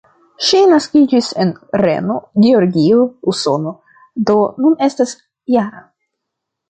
Ŝi naskiĝis en Reno, Georgio, Usono, do nun estas -jara.